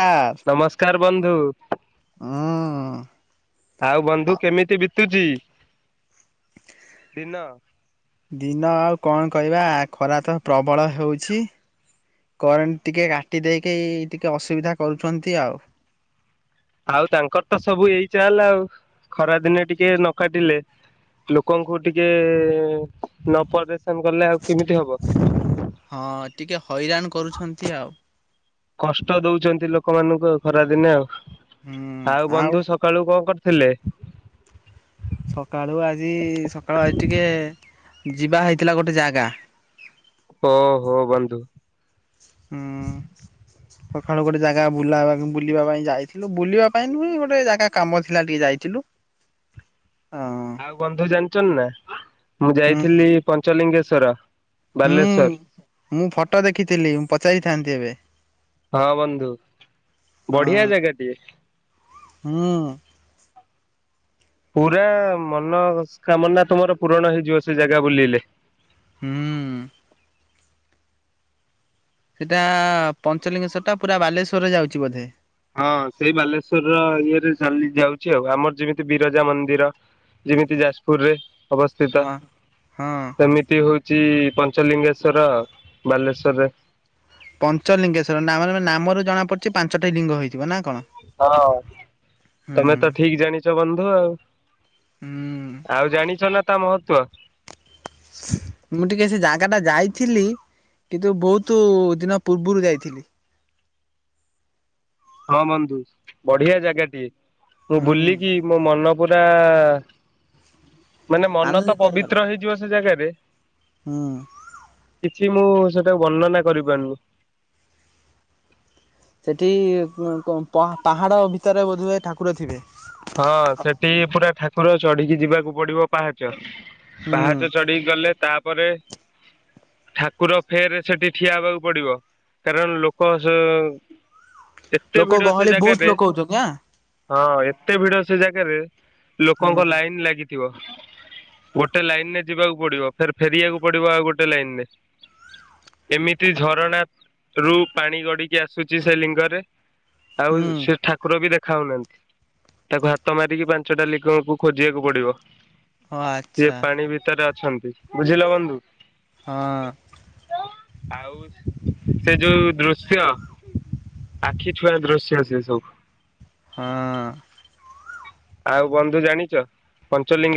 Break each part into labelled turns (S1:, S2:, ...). S1: ହୁଁ
S2: ନମସ୍କାର ବନ୍ଧୁ ଆଉ ବନ୍ଧୁ କେମିତି ବିତ୍ ତୁଛି।
S1: ଦିନ ଆଉ। କଣ କହିବା ଖରା ତ ପ୍ରବଳ ହେଉଛି କରେଣ୍ଟ ଟିକେ କାଟି ଦେଇକି ଟିକେ ଅସୁବିଧା କରୁଛନ୍ତି ଆଉ।
S2: ଆଉ ତାଙ୍କର ତ ସବୁ ଏଇ ଚାଲ୍ ଆଉ ଖରାଦିନେ ଟିକେ ନ କାଟିଲେ ଲୋକଙ୍କୁ ଟିକେ ନ ପ-
S1: ହଁ ଟିକେ ହଇରାଣ କରୁଛନ୍ତି ଆଉ।
S2: କଷ୍ଟ ଦଉଛନ୍ତି ଲୋକମାନଙ୍କୁ ଆଉ ଖରାଦିନେ ଆଉ। ଆଉ ବନ୍ଧୁ ସକାଳୁ କଣ କର ହେଲେ
S1: ସକାଳୁ ଆଜି ସକାଳୁ ଆଜି ଟିକେ ଯିବା ହେଇଥିଲା ଗୋଟେ ଜାଗା?
S2: ଓ ହୋ ବନ୍ଧୁ
S1: ସଖଳୁ ଗୋଟେ ଜାଗା ବୁଲା ବୁଲିବା ପାଇଁ ଯାଇଥିଲୁ ବୁଲିବା ପାଇଁ ନୁହେ ଗୋଟେ ଜାଗା କାମ ଥିଲା ଟିକେ ଯାଇଥିଲୁ। ହଁ
S2: ଆଉ ବନ୍ଧୁ ଜାଣିଛ ନା ମୁଁ
S1: ହୁଁ
S2: ଯାଇଥିଲି ପଞ୍ଚଲିଙ୍ଗେଶ ଶ୍ବର
S1: ହୁଁ।
S2: ବାଲେଶ୍ଵର
S1: ମୁଁ ଫଟୋ ଦେଖିଥିଲି ମୁ ପଚାରିଥାନ୍ତି ଏବେ।
S2: ହଁ ବନ୍ଧୁ
S1: ହଁ
S2: ବଢିଆ ଜାଗା ଟିଏ।
S1: ହୁଁ।
S2: ପୁରା ମନସ୍କାମନା ତୁମର ପୂରଣ ହେଇଯିବ ସେ ଜାଗା ବୁଲିଲେ।
S1: ହୁଁ। ସେଟା ପଞ୍ଚଲିଙ୍ଗେଶ୍ଵର ଟା ପୁରା ବାଲେଶ୍ଵରରେ ଯାଉଚି ବୋଧେ।
S2: ହଁ ସେଇ ବାଲେଶ୍ଵରର ଇଏରେ ଚାଲି ଯାଉଛି ଆଉ ଆମର ଯେମିତି ବିରଜା ମନ୍ଦିର ଯେମିତି ଯାଜପୁରରେ। ଅବସ୍ଥିତ
S1: ହଁ। ହଁ
S2: ସେମିତି ହଉ ଛି ପଞ୍ଚଲିଙ୍ଗେଶ୍ଵର ବାଲେଶ୍ଵରରେ
S1: ପଞ୍ଚ ଲଲିଙ୍ଗେଶ୍ଵର ନାମ ର ଜଣା ପଡିଛି ପାଞ୍ଚଟି ଲିଙ୍ଗ ହେଇ
S2: ହଁ ତମେ ତ
S1: ହୁଁ।
S2: ଠିକ୍ ଜାଣିଛ ବନ୍ଧୁ ଆଉ
S1: ହୁଁ
S2: ଆଉ ଜାଣିଛନା ତା ମହତ୍ବ?
S1: ମୁଁ ଟିକେ ସେ ଜାଗା ଟା ଯାଇଥିଲି କିନ୍ତୁ ବହୁତ ଦିନ ପୂର୍ବରୁ ଯାଇଥିଲି।
S2: ହଁ ବନ୍ଧୁ ବଢିଆ ଜାଗାଟିଏ। ମୁଁ
S1: ହୁଁ
S2: ବୁଲିକି ମୋ ମନ ପୁରା ମାନେ ମନ ତ
S1: ଆନନ୍ଦିତ ଘର
S2: ପବିତ୍ର ହେଇଯିବ ସେ ଜାଗାରେ
S1: ହୁଁ।
S2: କିଛି ମୁଁ ସେଟାକୁ ବର୍ଣ୍ଣନା କରିପାରୁନି।
S1: ସେଠି ପାହାଡ ଭିତରେ ବୋଧ ଠାକୁର ଥିବେ।
S2: ହଁ ସେଠି ପୁରା ଠାକୁର ଅ ଚଢି଼କି ଯିବାକୁ ପଡିବ ପାହାଚ
S1: ହୁଁ
S2: ପାହାଚ ଚଢି଼କି ଗଲେ ତା ପରେ ଠାକୁର ଫେର ସେଠି ଠିଆ ହେବାକୁ ପଡିବ କାରଣ ଲୋକ ଏତେ
S1: ଲୋକ
S2: ଭିଡ ସେ
S1: ଗହଳି ବହୁତ
S2: ଜାଗାରେ
S1: ଲୋକ ହଉଛନ୍ତି
S2: ହଁ
S1: ଆଁ।
S2: ଏତେ ଭିଡ ସେ ଜାଗାରେ ଲୋକଙ୍କ
S1: ହୁଁ।
S2: ଲାଇନ୍ ଲାଗିଚି। ଗୋଟେ ଲାଇନ ରେ ଯିବାକୁ ପଡିବ ଫେର ଫେରିବାକୁ ପଡିବ ଆଉ ଗୋଟେ ଲାଇନ ରେ ଏମିତି ଝରଣା ରୁ ପାଣି ଗଡି଼କି ଆସୁଛି ସେ ଲିଙ୍ଗରେ ଆଉ
S1: ହୁଁ
S2: ସେ ଠାକୁର ବି ଦେଖ ଖାଉନାହାନ୍ତି। ତାକୁ ହାତ ମାରିକି ପାଞ୍ଚଟା ଲିଗକୁ ଖୋଜିବାକୁ ପଡିବ।
S1: ଓ
S2: ସିଏ
S1: ଆଚ୍ଛା
S2: ପାଣି ଭିତର ଛନ୍ତି ବୁଝିଲ ବନ୍ଧୁ।
S1: ହଁ
S2: ଆଉ ସେ ଯଉ ଦୃଶ୍ୟ। ଆଖି ଛୁଆଁ ଦୃଶ୍ୟ ସେ ସବୁ
S1: ହଁ।
S2: ଆଉ ବନ୍ଧୁ ଜାଣିଚ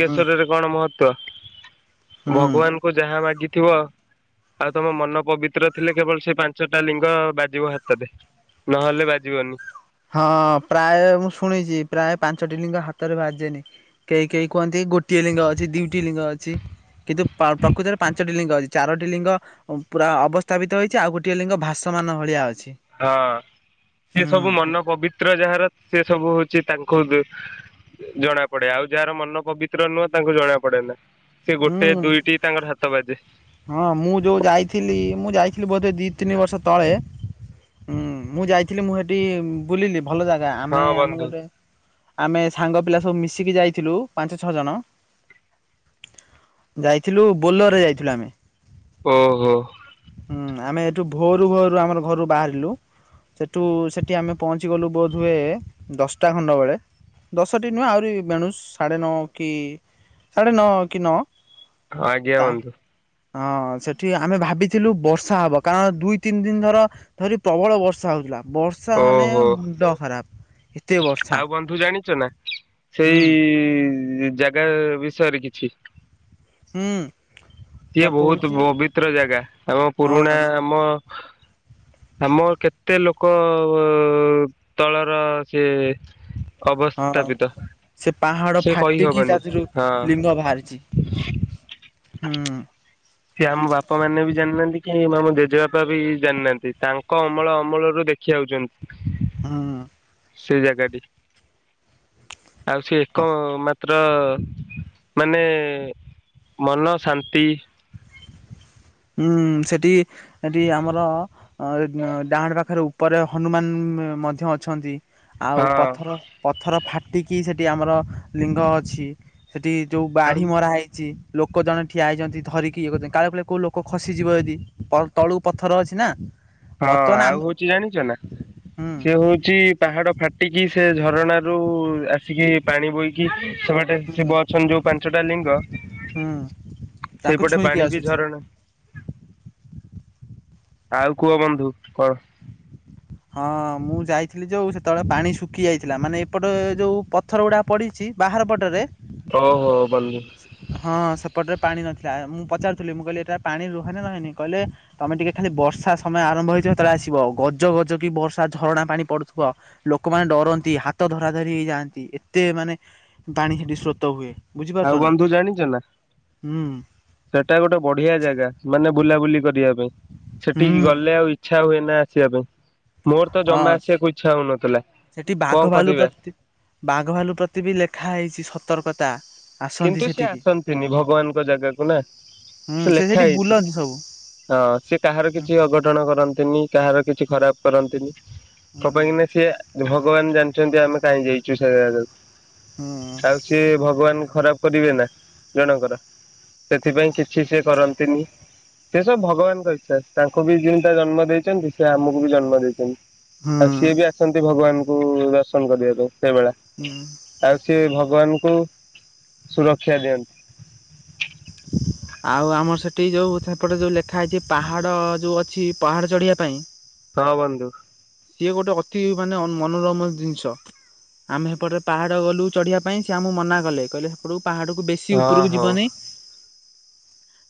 S1: ହୁଁ
S2: କଣ ମହ ତ୍ଵ
S1: ହୁଁ।
S2: ଭଗବାନଙ୍କୁ ଯାହା ମାଗି ଥିବ ଆଉ ତମ ମନ ପବିତ୍ର ଥିଲେ। କେବଳ ସେ ପାଞ୍ଚଟା ଲିଙ୍ଗ ବାଜିବ ହାତରେ ନହେଲେ ବାଜିବନି।
S1: ହଁ ପ୍ରାୟେ ମୁଁ ଶୁଣିଚି ପ୍ରାୟେ ପାଞ୍ଚ ଟି ଲିଙ୍ଗ ହାତରେ ବାଜେନି। କେହି କେହି କୁହନ୍ତି ଗୋଟିଏ ଲିଙ୍ଗ ଅଛି ଦୁଇଟି ଲିଙ୍ଗ ଅଛି। କିନ୍ତୁ ପ୍ରକୃତରେ ପାଞ୍ଚ ଟି ଲିଙ୍ଗ ଅଛି। ଚାରୋଟି ଲିଙ୍ଗ ପୁରା ଅବସ୍ଥାପିତ ହେଇଛି ଆଉ ଗୋଟେଏ ଲିଙ୍ଗ ଭାସମାନ ଭଳିଆ ଅ
S2: ହଁ ସେ ସବୁ ମନ ପବି ତ୍ର ଯାହାର ସେ ସବୁ ହଉଛି ତାଙ୍କୁ ଜଣା ପଡେ। ଆଉ ଯାହାର ମନ ପବିତ୍ର ନୁହଁ ତାଙ୍କୁ ଜଣା ପଡେ ନା। ସେ ଗୋଟେ
S1: ହୁଁ
S2: ଦୁଇଟି ତାଙ୍କର ହାତ ବାଜେ
S1: ହଁ ମୁଁ ଯଉ ଯାଇଥିଲି ମୁଁ ଯାଇଥିଲି ବୋଧେ ଦି, ତିନି ବର୍ଷ ତଳେ। ହୁଁ ମୁଁ ଯାଇଥିଲି ମୁଁ ହେଠି ବୁଲିଲି। ଭଲ ଜାଗା ଆମେ
S2: ହଁ
S1: ଆମେ
S2: ବନ୍ଧୁ
S1: ଗୋଟେ ଆମେ ସାଙ୍ଗ ପିଲା ସବୁ ମିଶିକି ଯାଇଥିଲୁ ପାଞ୍ଚ, ଛଅ ଜଣ। ଯାଇଥିଲୁ ବୋଲରରେ ଯାଇଥିଲୁ ଆମେ।
S2: ଓହଃ।
S1: ହୁଁ ଆମେ ଏଠୁ ଭୋରୁ ଭୋରୁ ଆମର ଘରୁ ବାହାରିଲୁ। ସେଠୁ ସେଠି ଆମେ ପହଞ୍ଚି ଗଲୁ ବୋଧୁଏ ଦଶଟା ଖଣ୍ଡ ବେଳେ। ଦଶଟି ନୁହଁ ଆହୁରି ବେଣୁଷ୍ ସାଢେ ନଅ କି ସାଢେ ନଅ କି ନଅ
S2: ଆଜ୍ଞା
S1: ତା
S2: ବନ୍ଧୁ।
S1: ହଁ ସେଠି ଆମେ ଭାବିଥିଲୁ ବର୍ଷା ହବ କାରଣ ଦୁଇ, ତିନି ଦିନ ଧର ଧରି ପ୍ରବଳ ବର୍ଷା ହଉଥିଲା। ବର୍ଷା ମାନେ
S2: ଓହୋ
S1: ମୁଣ୍ଡ ଖରାପ ଏତେ ବର୍ଷା
S2: ଆଉ ବନ୍ଧୁ ଜାଣିଛ ନା
S1: ହୁଁ
S2: ସେଇଇଇ। ଜାଗା ବିଷୟରେ କିଛି।
S1: ହୁଁ। ବା
S2: ସିଏ ବହୁତ
S1: କହୁଛି
S2: ବବିତ୍ର ଜାଗା ଆମ ପୁରୁଣା
S1: ହଁ
S2: ଆମ। ଆମ କେତେ ଲୋକ ତଳର ସିଏ। ଅବ ସ୍ଥାପିତ
S1: ପାହାଡ ଫାଟିକି ତାଥିରୁ ଲିଙ୍ଗ ବାହାରିଛି ହୁଁ।
S2: ସେ ଆମ ବାପା ମାନେ ବି ଜାଣିିନାହାନ୍ତି କି ଆମ ଜେଜେବାପା ବି ଜାଣିିନାହାନ୍ତି। ତାଙ୍କ ଅମଳ ଅମଳରୁ ଦେଖି ଆଉଛନ୍ତି।
S1: ହୁଁ।
S2: ସେଇ ଜାଗା ଟି। ଆଉ ସେ ଏକ ତ୍ର ମାନେ ମନ ଶାନ୍ତି।
S1: ହୁଁ ସେଠି ସେଠି ଆମର ଡାହାଣ ପାଖରେ ଉପରେ ହନୁମାନ ମଧ୍ୟ ଅଛନ୍ତି। ଆଉ
S2: ହଁ
S1: ପଥର ପଥର ଫା ଟିକି ସେଠି ଆମର ଲିଙ୍ଗ ଅଛି। ସେଠି ଯୋଉ
S2: ଆଉ
S1: ବାଢି ମରା ହେଇଛି। ଲୋକ ଜଣେ ଠିଆ ହେଇଛନ୍ତି। ଧରିକି ଇଏ କରି କାଳେ କିଲଳେ କୋଉ ଲୋକ ଖସିଯିବ ଯଦି ତଳୁ ପଥର ଅଛି ନା।
S2: ହଁ
S1: ବର୍ତ୍ତମାନ
S2: ଆଉ
S1: ଆମେ
S2: ହଉଛି ଜାଣିଛ ନା
S1: ହୁଁ
S2: ସେ ହଉଛି ପାହାଡ ଫାଟିକି ସେ ଝରଣାରୁୁ ଆସିକି ପାଣି ବହିକି ସେପଟେ
S1: ହୁଁ
S2: ଶିବ ଅନ ଯୋଉ ପାଞ୍ଚଟା ଲିଙ୍ଗ
S1: ହୁଁ ତାଙ୍କୁ
S2: ସେଇପଟେ
S1: ଛୁଇଁକି
S2: ପାଣି ବି
S1: ଆସୁଛି।
S2: ଝରଣ ଆଉ କୁହ ବନ୍ଧୁ କଣ?
S1: ହଁ ମୁଁ ଯାଇଥିଲି ଯୋଉ ସେତେବେଳେ ପାଣି ଶୁଖି ଯାଇଥିଲା ମାନେ ଏପଟ ଯୋଉ ପଥର ଗୁଡା ପଡିଛି ବାହାର ପଟରେ
S2: ଓ ହୋ ଭଲ।
S1: ହଁ ସେପଟରେ ପାଣି ନଥିଲା ମୁଁ ପଚାରୁଥିଲି ମୁଁ କହିଲି ଏଟା ପାଣି ରୁହାନି ନହେନି କହିଲେ ତମେ ଟିକେ ଖାଲି ବର୍ଷା ସମୟ ଆରମ୍ଭ ହେଇଥିବ ସେତେବେଳେ ଆସିବ ଗଜ ଗଜ କି ବର୍ଷା ଝରଣା ପାଣି ପଡୁଥିବ ଲୋକମାନେ ଡରନ୍ତି ହାତ ଧରା ଧରି ହେଇ ଯାଆନ୍ତି ଏତେ ମାନେ ପାଣି ସେଠି ସ୍ରୋତ ହୁଏ।
S2: ଆଉ
S1: ବୁଝିପାରୁଛ ନା।
S2: ବନ୍ଧୁ ଜାଣିଛ ନା
S1: ହୁଁ
S2: ସେଟା ଗୋଟେ ବଢିଆ ଜାଗା ମାନେ ବୁଲାବୁଲି କରିବା ପାଇଁ ସେଠିକି
S1: ହୁଁ
S2: ଗଲେ ଆଉ ଇଚ୍ଛା ହୁଏ ନା। ସେଆ ପାଇଁାଇ
S1: ହଁ ସେଠି
S2: କଣ
S1: ବାଘ ଭାଲୁ
S2: କରିବା
S1: ପ୍ରତି ବାଘ ଭାଲୁ ପ୍ରତି ବି ଲେଖା ହେଇଛିତ। ସତର୍କତା ଆସନ୍ତି
S2: କିନ୍ତୁ ସେି
S1: ସେଠିକି।
S2: ଆସନ୍ତିନି ଭଗବାନଙ୍କ ଜାଗାକୁ ନା
S1: ହୁଁ
S2: ସେ ଲେଖା
S1: ସେଠି
S2: ହେଇଛି
S1: ବୁଲନ୍ତି ସବୁ
S2: ହଁ ସେି କାହାର
S1: ହୁଁ
S2: କିଛି ଅଘଟଣ କରନ୍ତିନି କାହାର କିଛି ଖରାପ କରନ୍ତୁ। କ ପାଇଁ କି
S1: ହୁଁ
S2: ସି ଭଗବାନ ଜାଣିଛନ୍ତି ଆମେ କାହିଁ ଯାଇଛୁ ସେକୁ ଆଉ ସିଏ ଭଗବାନ ଖରାପ କରିବେ ନା ଜଣଙ୍କର ସେଥିପାଇଁ କିଛି ସେ କରନ୍ତିନି ସେ ସବୁ ଭଗବାନଙ୍କ ଇଚ୍ଛା ତାଙ୍କୁ ବି ଯେମିତା ଜନ୍ମ ଦେଇଛନ୍ତି ସେ ଆମକୁ ବି ଜନ୍ମ ଦେଇଛନ୍ତି।
S1: ହୁଁ
S2: ଆଉ ସିଏ ବି ଆସନ୍ତି ଭଗବାନ ୁ ଦର୍ଶନ କରିବାକୁ ସେଇଭଳି
S1: ହୁଁ।
S2: ଆଉ ସିଏ ଭଗବାନ ହଁ। ସୁରକ୍ଷା ଦିଅନ୍ତି।
S1: ଆଉ ଆମର ସେଠି ଯୋଉଁ ସେପଟେ ଯୋଉଁ ଲେଖା ହେଇଛି ପାହାଡ଼ ଯୋଉଁ ଅଛି ପାହାଡ଼ ଚଢ଼ିବା ପାଇଁ
S2: ହଁ ବନ୍ଧୁ।
S1: ସିଏ ଗୋଟେ ଅତି ମାନେ ମନୋରମ ଜିନିଷ ଆମେ ହେପଟେ ପାହାଡ ଗଲୁ ଚଢିବା ପାଇଁ ସିଏ ଆମକୁ ମନା କଲେ କହିଲେ ସେପଟକୁ ପାହାଡ଼କୁ ବେଶି
S2: ହଁ
S1: ଉପରକୁ
S2: ହଉ
S1: ଯିବନି।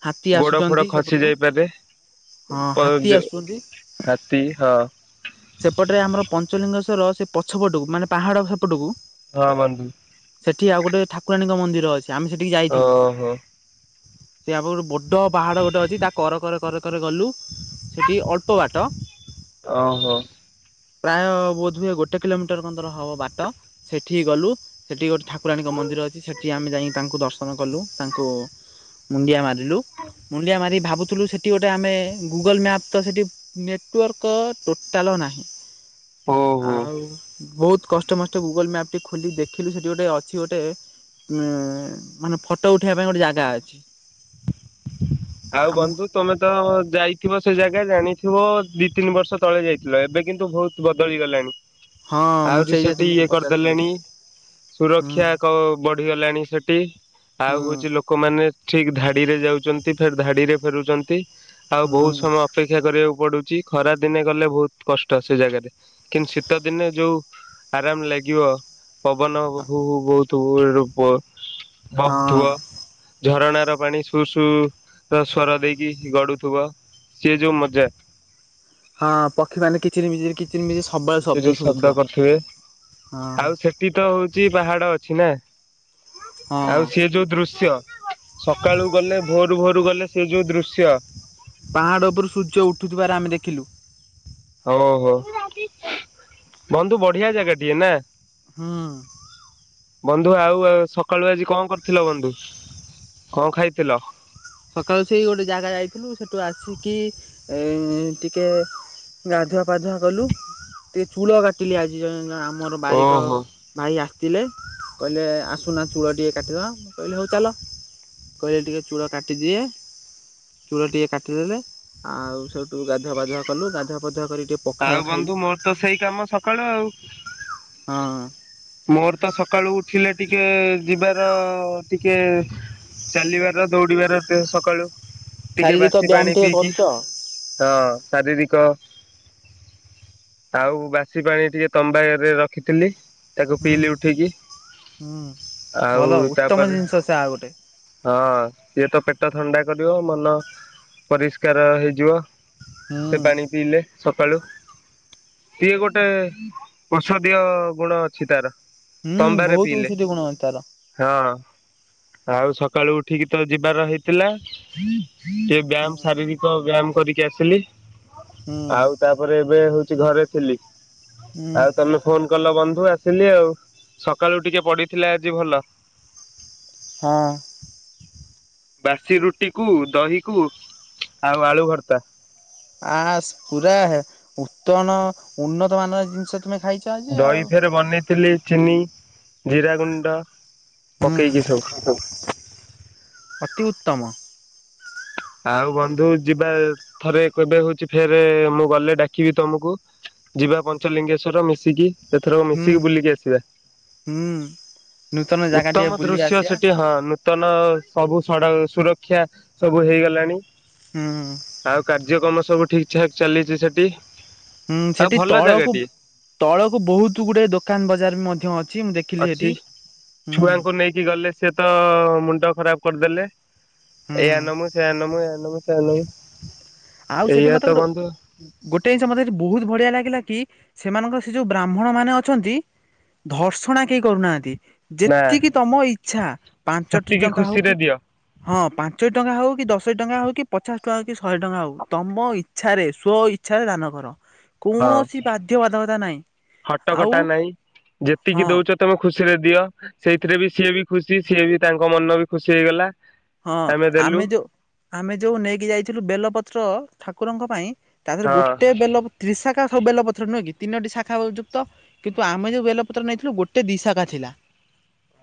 S1: ହାତୀ
S2: ଗୋଡ ଫୋଡ
S1: ଆସୁଛନ୍ତି
S2: ଖସି
S1: ସେପଟକୁ
S2: ଯାଇପାରେ
S1: ହଁ
S2: ଉପ
S1: ହାତୀ
S2: ଜ
S1: ଆସୁଛନ୍ତି।
S2: ହାତୀ ହଁ।
S1: ସେପଟରେ ଆମର ପଞ୍ଚଲିଙ୍ଗ ଶ୍ଵର ରହସ୍ୟ ସେ ପଛପଟକୁ ମାନେ ପାହାଡ଼ ହେପଟକୁ।
S2: ହଁ ବନ୍ଧୁ।
S1: ସେଠି ଆଉ ଗୋଟେ ଠାକୁରାଣୀଙ୍କ ମନ୍ଦିର ଅଛି। ଆମେ ସେଠିକି ଯାଇଥିଲୁ।
S2: ଓହୋ
S1: ସେ ଆଗରେ ବଡ଼ ପାହାଡ଼ ଗୋଟେ ଅଛି ତା କରେ କରେ କରେ କରେ ଗଲୁ ସେଠି ଅଳ୍ପ ବାଟ
S2: ଓ ହୋ।
S1: ପ୍ରାୟ ବୋଧହୁଏ ଗୋଟେ କିଲୋମିଟର ଖଣ୍ଡେ ହବ ବାଟ ସେଠି ଗଲୁ ସେଠି ଗୋଟେ ଠାକୁରାଣୀଙ୍କ ମନ୍ଦିର ଅଛି ସେଠି ଆମେ ଯାଇ ତାଙ୍କୁ ଦର୍ଶନ କଲୁ ତାଙ୍କୁ ମୁଣ୍ଡିଆ ମାରି ଲୁ ମୁଣ୍ଡିଆ ମାରି ଭାବୁ ଥିଲୁ ସେଠି ଗୋଟେ ଆମେ ଗୁଗଲ୍ ମ୍ୟାପ୍ ତ ସେଠି ନେଟୱାର୍କ ଟୋଟାଲ ନାହିଁ।
S2: ଓ ହୋ
S1: ଆଉ ବହୁତ କଷ୍ଟେ ମଷ୍ଟେ ଗୁଗଲ ମ୍ୟାପଟି ଖୋଲି ଦେଖିଲୁ ସେଠି ଗୋଟେ ଅଛି ଗୋଟେ ଉଁ ମାନେ ଫଟୋ ଉଠେଇବା ପାଇଁ ଗୋଟେ ଜାଗା ଅଛି।
S2: ଆଉ
S1: ଆମ
S2: ବନ୍ଧୁ ତମେ ତ ଯାଇଥିବ ସେ ଜାଗା ଜାଣିଥିବ ଦି ତିନି ବର୍ଷ ତଳେ ଯାଇଥିଲ ଏବେ କିନ୍ତୁ ବହୁତ ବଦଳିଗଲାଣି।
S1: ହଁ ମୁଁ
S2: ଆହୁରି
S1: ସେଇଆ
S2: ସେଠି
S1: ତୁମକୁ
S2: ଇଏ
S1: ପଚାରୁଥିଲି
S2: କରିଦେଲେଣି
S1: ହୁଁ
S2: ସୁରକ୍ଷା କ ବଢିଗଲାଣି ସେଠି ଆଉ
S1: ହୁଁ
S2: ହଉଚି ଲୋକମାନେ ଠିକ ଧାଡିରେ ଯାଉଛନ ଧାଡିରେ ଫେରୁଛନ୍ତି। ଆଉ ବହୁତ
S1: ହୁଁ
S2: ସମୟ ଅପେକ୍ଷା କରିବାକୁ ପଡୁ ଚି ଖରାଦିନେ ଗଲେ ବହୁତ କଷ୍ଟ ସେ ଜାଗାରେ କିନ୍ତୁ ଶୀତ ଦିନେ ଯୋଉ ଆରାମ ଲାଗିବ। ପବନ ହୁ ହୁ ବହୁତ ତୋ ରୂପ
S1: ହଁ।
S2: ବହୁଥିବ ଝରଣା ଣା ପାଣି ସୁ ସୁ ସ୍ଵର ଦେଇକି ଗଡୁଥିବ ସିଏ ଯୋଉ ମଜା।
S1: ହଁ ପକ୍ଷୀ ମାନେ କିଚିରି ମିଚିରି କି
S2: ସେଠି ଶବ୍ଦ କରୁଥିବେ
S1: ହଁ
S2: ଆଉ ସେଠି ତ ହଉଚି ପାହାଡ ଅଛି ନା।
S1: ହଁ
S2: ଆଉ ସେ ଯୋଉ ଦୃଶ୍ୟ ସକାଳୁ ଗଲେ ଭୋରୁ ଭୋରୁ ରୁ ଗଲେ ସେ ଯୋଉ ଦୃଶ୍ୟ।
S1: ପାହାଡ଼ ଉପରୁ ସୂର୍ଯ୍ୟ ଉଠୁଥିବାର ଆମେ ଦେଖିଲୁ।
S2: ଓହୋ ବନ୍ଧୁ ବଢିଆ ଜାଗାଟିଏ ନା।
S1: ହୁଁ।
S2: ବନ୍ଧୁ ଆଉ ସକାଳୁ ଆଜି କଣ କରିଥିଲ ବନ୍ଧୁ କଣ ଖାଇଥିଲ?
S1: ସକାଳୁ ସେଇ ଗୋଟେ ଜାଗା ଯାଇଥିଲୁ ସେଠୁ ଆସିକି ଏଁ ଟିକେ ଗାଧୁଆ ପାାଧୁଆ କଲୁ ଟିକେ ଚୂଳ କାଟିଲି ଆଜି ଯାଇ ଆମ ଆମର ବାରିକ
S2: ଓହୋ
S1: ଭାଇ ଆସ ଥିଲେ କହିଲେ ଆସୁନା ଚୂଳ ଟିକେ କାଟିଦବା ମୁ କହିଲି ହଉ ଚାଲ କହିଲେ ଟିକେ ଚୂଳ କାଟି କାଟି ଦିଏ ଚୁଳ ଟିକେ କାଟିଦେଲେ ଆଉ ସେଉଠୁ ଗାଧୁଆ ପାଧୁଆ କଲୁ ଗାଧୁଆ ପାଧୁଆ କରିିକି
S2: ଆଉ ବନ୍ଧୁ ମୋର ତ ସେଇ କାମ ସକାଳୁ ଆଉ।
S1: ହଁ
S2: ମୋର ତ ସକାଳୁ ଉଠିଲେ। ଟିକେ ଯିବାର ଟିକେ ଚାଲିବାର ଦୌଡିବାର ସକାଳୁ। ଟିକେ
S1: ଶାରୀରିକ
S2: ବାସି
S1: ବ୍ୟାୟାମ
S2: ପାଣି
S1: ଟିକେ
S2: ପିଇକି
S1: କରୁଛ
S2: ହଁ ଶାରୀରିକ। ଆଉ ବାସି ପାଣି ଟିକେ ତମ୍ବାରେ ଏବେ ରଖିଥିଲି। ତାକୁ ପିଇଲି
S1: ହୁଁ।
S2: ଉଠିକି
S1: ହୁଁ
S2: ଆଉ
S1: ଭଲ ଉତ୍ତମ
S2: ତାପରେ
S1: ଜିନିଷ ସେ ଆ ଗୋଟେ
S2: ହଁ ସିଏ ତ ପେ ପେଟ ଥଣ୍ଡା କରିବ ମନ ପରିଷ୍କାର ହେଇଯିବ। ସେ
S1: ହୁଁ
S2: ପାଣି ପିଇଲେ। ସକାଳୁ ସଏ ଗୋଟେ ଓଷଦୀୟ ଗୁଣ ଅଛି ତାର।
S1: ହୁଁ
S2: ତମ୍ବାରେ
S1: ବହୁତ
S2: ପିଇଲେ
S1: ଔଷଧିୟ ଗୁଣ ଅଛି ତାର
S2: ହଁ ଆଉ ସକାଳୁ ଉଠିକି ତ ଯିବାର ହେଇଥିଲା। ସେ
S1: ହୁଁ
S2: ବ୍ୟାୟାମ ଶାରୀରିକ ବ୍ୟାୟାମ କରିକି। କି ଆସିଲି।
S1: ହୁଁ
S2: ଆଉ ତାପରେ ଏବେ ହଉଛି। ଚି ଘରେ ଥିଲି।
S1: ହୁଁ
S2: ଆଉ ତମେ ଫୋନ କଲ ବନ୍ଧ ସୁ ଆସିଲି ଆଉ ସକାଳୁ ଟିକେ ପଡିଥିଲା ଆଜି ଭଲ।
S1: ହଁ।
S2: ବାସି ରୁଟି କୁ ଦହି କୁ ଆଉ ଆଳୁ ଭର୍ତା
S1: ଆ ସ ପୁରା ଉତ୍ତନ ଉନ୍ନତ ମାନର ଜିନିଷ। ତୁମେ ଖାଇଛ ଆଜି
S2: ଦହି
S1: ଆଉ।
S2: ଫେର ବନେଇଥିଲି। ଚେନି ଜିରା ଗୁଣ୍ଡ
S1: ହୁଁ
S2: ପକେଇକି ସୁବୁ।
S1: ଅତି ଉତ୍ତମ।
S2: ଆଉ ବନ୍ଧୁ ଯିବା। ଥରେ କେବେ ହଉଛି ଫେରେ ମୁଁ ଗଲେ ଡାକିବି ତମକୁ ଯିବା ପଞ୍ଚଲିଙ୍ଗେଶ୍ଵର ମିଶିକି। ସେଥରକ
S1: ହୁଁ
S2: ମିଶିକି ବୁଲିକି ଆସିବା
S1: ହୁଁ ନୂତନ ଜାଗା ଟିକେ
S2: ଉତ୍ତମ
S1: ବୁଲି
S2: ଦୃଶ୍ୟ
S1: ଆସିବା।
S2: ସେଠି ହଁ ନୂତନ ସବୁ। ସଡକ ସୁରକ୍ଷା ସବୁ ହେଇଗଲା। ଲାଣି।
S1: ହୁଁ।
S2: କାର୍ଯ୍ୟକ୍ରମ ସବୁ ଠିକ୍ ଠାକ ଚାଲିଛି ସେଠି।
S1: ହୁଁ
S2: ଆଉ
S1: ସେଠି
S2: ଭଲ
S1: ତଳକୁ
S2: ଜାଗାଟିଏ
S1: ତଳକୁ ବହୁତ ଗୁଡେ ଦୋକାନ ବଜାର ମଧ୍ୟ ଅଛି ମୁଁ ଦେଖ
S2: ଅଛି ଛୁଆଙ୍କୁ ନେଇକି ଗଲେ ସେ ତ ମୁଣ୍ଡ ଖରାପ କରିଦେଲେ
S1: ହୁଁ
S2: ଏଇଆ ନମୁ ସେ ନମୁ ଏଇଆ ମୁ ସେଇଆ ନମୁ
S1: ଆଉ ସେଠି
S2: ଏଇଆ ତ
S1: ମତେ ଗୋଟେ
S2: ବନ୍ଧୁ
S1: ଗୋଟେ ଜିନିଷ ମତେଠି ବହୁତ ବଢିଆ ଲାଗିଲା କି? ସେମାନଙ୍କର ସେ ଯୋଉ ବ୍ରାହ୍ମଣ ମାନେ ଅଛନ୍ତି ଧର୍ଷଣା କେହି କରୁନାହାନ୍ତି।
S2: ନା
S1: ଯେତିକି ତମ ଇଚ୍ଛା ପାଞ୍ଚଟି
S2: ସେତିକି
S1: ଟଙ୍କା ହଉ
S2: ଖୁସିରେ
S1: କି
S2: ଦିଅ
S1: ହଁ। ପାଞ୍ଚ ଟଙ୍କା ହେଉ କି ଦଶ ଟଙ୍କା ହେଉ କି ପଚାଶ ଟଙ୍କାଉ କି ଶହେ ଟଙ୍କା ହେଉ। ତମ ଇଚ୍ଛାରେ ସ୍ଵଇଚ୍ଛାରେ ଦାନ କର।
S2: ହଁ
S1: କୌଣସି ବାଧ୍ୟବାଧକତା ନାହିଁ
S2: ହଟ
S1: ଆଉ
S2: କଟା ନାହିଁ
S1: ହଁ
S2: ଯେତିକି ଦଉଛ ତମେ ଖୁସି ଖୁସିରେ ଦିଅ ସେଇଥିରେ ବି ସିଏ ବି ଖୁସି ସିଏ ବି ତାଙ୍କ ମନ ବି ଖୁସି ହେଇଗଲା।
S1: ହଁ ଆମେ ଯୋଉ ଆମେ ଯୋଉ ନେଇକି ଯାଇଥିଲୁ ବେଲପତ୍ର ଠାକୁରଙ୍କ ପାଇଁ ତାହରେ
S2: ହଁ
S1: ଗୋଟେ ବେଲ ତ୍ରିଶା ସବୁ ବେଲତର ନୁହେଁ କି? ତିନୋଟି ଶାଖାଯୁକ୍ତ କିନ୍ତୁ ଆମେ ଯୋଉ ବେଲପତ୍ର ନେଇଥିଲୁ ଗୋଟେ ଦି ଶାଖା ଥିଲା।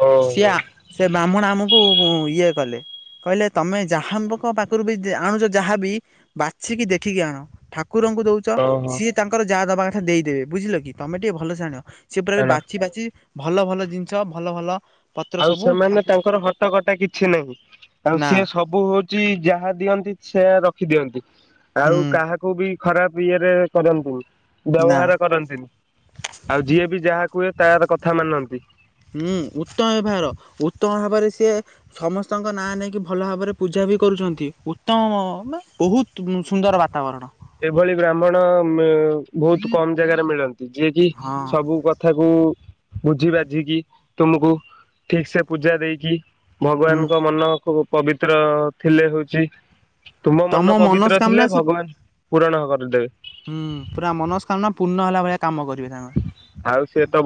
S2: ଓହୋ
S1: ସିଆ ସେ ବ୍ରାହ୍ମଣ ଆମକୁ ହୁଁ ଇଏ କଲେ କହିଲେ ତମେ ଯାହାଙ୍କ ପାଖରୁ ବି ଆଣୁଛ ଯାହାବି ବାଛିକି ଦେଖିକି ଆଣ ଠାକୁର କୁକୁରଙ୍କୁ ଦଉଛ
S2: ଓହୋ
S1: ସିଏ ତାଙ୍କର ଯାହା ଦବା କଥା ଦେଇଦେବେ ବୁଝିଲ କି ତମେ ଟିକେ ଭଲ ଜାଣ ସେ ପୁରା
S2: ଆଣ
S1: ବାଛି ବାଛି ଭଲ ଭଲ ଜିନିଷ ଭଲ ଭଲ ପତ୍ର
S2: ଆଉ
S1: ସବୁ
S2: ସେମାନେ ତାଙ୍କର ହଟ କଟା କିଛି ନାହିଁ। ଆଉ
S1: ନା
S2: ସିଏ ସବୁ ହଉଛି ଯାହା ଦିଅନ୍ତି ସେ ରଖି ଦିଅନ୍ତି।
S1: ହୁଁ
S2: ଆଉ କାହାକୁ ବି ଖରାପ ଇଏରେ କରନ୍ତୁ।
S1: ନା
S2: ବ୍ୟବହାର କରନ୍ତିନି ଆଉ ଯିଏ ବି ଯାହା କୁହେ ତାର କଥା ମାନନ୍ତି।
S1: ହୁଁ ଉତ୍ତମ ବ୍ୟବହାର ଉତ୍ତମ ଭାବରେ ସିଏ ସମସ୍ତଙ୍କ ନାଁ ନେଇକି ଭଲ ଭାବରେ ପୂଜା ବି କରୁଛନ୍ତି ଉତ୍ତମ ବହୁତ ସୁନ୍ଦର ବାତାବରଣ
S2: ଏଭଳି ବ୍ରାହ୍ମଣ ବହୁତ କମ ଜାଗାରେ ମିଳନ୍ତି। ଯିଏକ
S1: ହଁ
S2: ସବୁ କଥାକୁ ବୁଝି ବାଝିକି ତୁମକୁ ଠିକ ସେ ପୂଜା ଦେଇକି
S1: ହୁଁ
S2: ଭଗବାନଙ୍କ ମନ ପବିତ୍ର ଥିଲେ ହଉଛି ତୁମ ମନ
S1: ତମ
S2: ପବିତ୍ର ଥିଲେ
S1: ମନସ୍କାମନା ସେ
S2: ଭଗବାନ ପୂରଣ କରିଦେବେ
S1: ହୁଁ ପୁରା ମନସ୍କାମନା ପୂର୍ଣ ହେଲା ଭଳିଆ କାମ କରିବି
S2: ଆଉ ସିଏ ତ
S1: ତାଙ୍କ